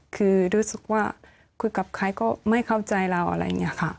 คือรู้สึกว่าคุยกับใครก็ไม่เข้าใจเราอะไรอย่างนี้ค่ะ